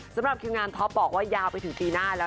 สำหรับคิวงานท็อปบอกว่ายาวไปถึงปีหน้าแล้ว